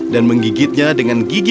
dan menggigitnya dengan gigi